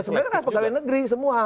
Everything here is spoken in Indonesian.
ya sebenarnya pegawai negeri semua